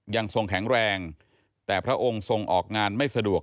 ยังทรงแข็งแรงแต่พระองค์ทรงออกงานไม่สะดวก